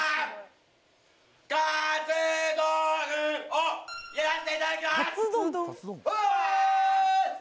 「カツ丼」をやらせていただきます！